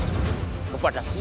aku akan mencari kekuatanmu